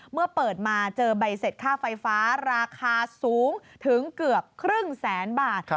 เมื่อเปิดมาเจอใบเสร็จค่าไฟฟ้าราคาสูงถึงเกือบครึ่งแสนบาท